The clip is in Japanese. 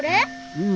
うん。